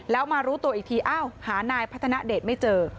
แล้วมารู้ตัวอีกทีอ้าวหานายพัฒนาเดชไม่เจอ